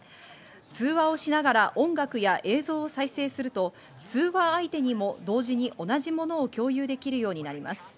通話をしながら音楽や映像を再生すると通話相手にも同時に同じものを共有できるようになります。